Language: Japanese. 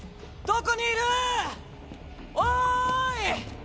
どこにいる⁉おい！